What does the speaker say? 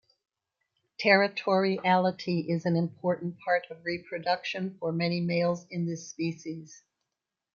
Territoriality is an important part of reproduction for many males in this species.